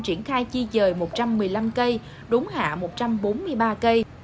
triển khai di dời một trăm một mươi năm cây đốn hạ một trăm bốn mươi ba cây